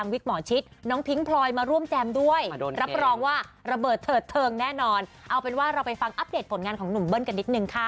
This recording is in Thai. พี่โร้นี่ที่เราทำเองมั้ยคะ